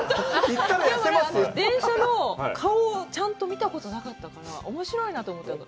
電車の顔をちゃんと見たことがなかったから、おもしろいなと思ったの。